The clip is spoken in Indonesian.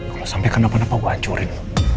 kalau sampe kenapa napa gue hancurin